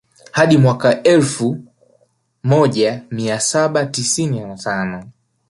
Hadi mwaka wa elfu moja mia saba tisini na tano